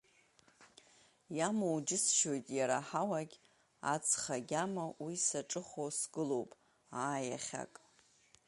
Иамоу џьысшьоит иара аҳауагь ацха агьама, уи саҿыхәо сгылоуп, аа, иахьак.